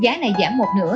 giá này giảm một nửa